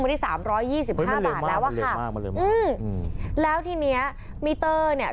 มันที่๓๒๕บาทแล้วอะค่ะอืมแล้วทีนี้เมตเตอร์เนี่ย